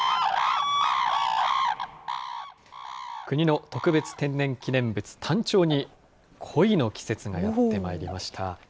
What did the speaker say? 国の特別天然記念物、タンチョウに恋の季節がやってまいりました。